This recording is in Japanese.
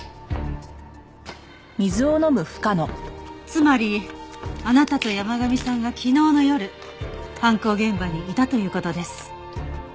つまりあなたと山神さんが昨日の夜犯行現場にいたという事です。